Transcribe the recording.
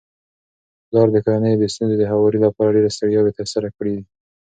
پلار د کورنيو د ستونزو د هواري لپاره ډيري ستړياوي تر سره کړي دي